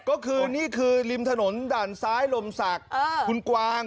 ก็คือนี่คือริมถนนด่านซ้ายลมศักดิ์คุณกวาง